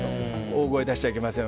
大声出しちゃいけません